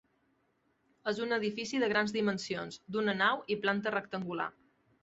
És un edifici de grans dimensions, d'una nau i planta rectangular.